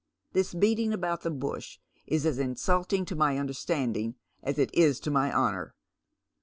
This beating about the bush is as insulting to my imderstanding as it is to my honour."